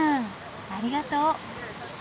ありがとう。